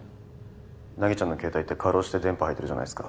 凪ちゃんの携帯ってかろうじて電波入ってるじゃないですか。